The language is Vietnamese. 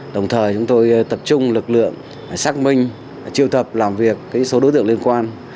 đồng thời chúng tôi tập trung lực lượng xác minh triêu thập làm việc số đối tượng liên quan